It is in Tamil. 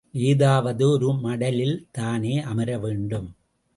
ஏதாவது ஒரு மடலில் தானே அமர வேண்டும்!